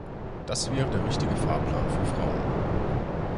Das wäre der richtige Fahrplan für Frauen.